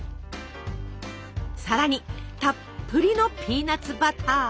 さらにたっぷりのピーナツバター。